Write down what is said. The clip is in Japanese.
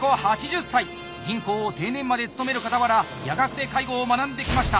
銀行を定年まで勤めるかたわら夜学で介護を学んできました。